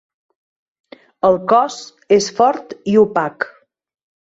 El cos és fort i opac.